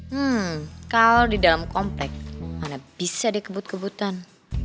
hmm kalo di dalam komplek mana bisa deh kebut kebutan